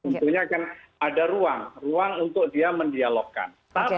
tentunya kan ada ruang untuk dia mendialogkan